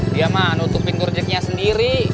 dia mah nutup pinggir jeiknya sendiri